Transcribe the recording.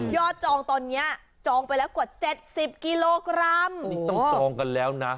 จองตอนเนี้ยจองไปแล้วกว่าเจ็ดสิบกิโลกรัมนี่ต้องจองกันแล้วนะ